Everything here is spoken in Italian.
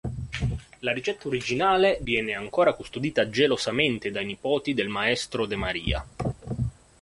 La ricetta originale viene ancora custodita gelosamente dai nipoti del maestro "De Maria".